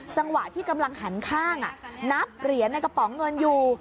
จังหวะที่กำลังหันข้างนับเหรียญในกระป๋องเงินอยู่